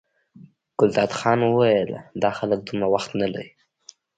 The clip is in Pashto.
ګلداد خان وویل دا خلک دومره وخت نه لري.